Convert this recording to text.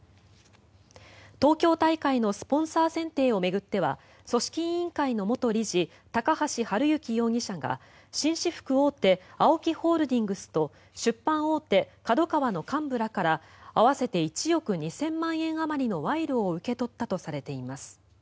東京大会のスポンサー選定を巡っては組織委員会の元理事高橋治之容疑者が紳士服大手ＡＯＫＩホールディングスと出版大手ＫＡＤＯＫＡＷＡの幹部らから合わせて１億２０００万円あまりの賄賂を受け取ったとされています。